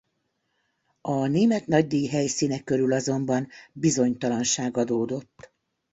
A német nagydíj helyszíne körül azonban bizonytalanság adódott.